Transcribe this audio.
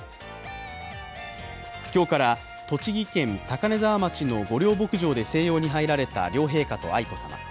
今日から栃木県高根沢町の御料牧場で静養に入られた両陛下と愛子さま。